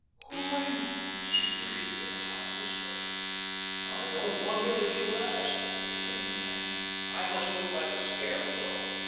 "Who are you?" she breathed in a half whisper. "I don't wonder that you ask," returned the man. "I must look like a scarecrow.